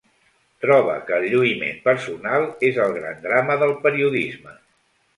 Troba que el lluïment personal és el gran drama del periodisme.